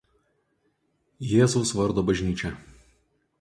Jėzaus Vardo bažnyčią.